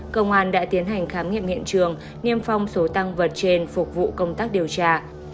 công an đã tiến hành khám nghiệm hiện trường niêm phong số tăng vật trên phục vụ công tác điều tra